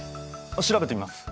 調べてみます。